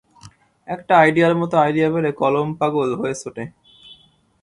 একটা আইডিয়ার মত আইডিয়া পেলে কলম পাগল হয়ে ছোটে।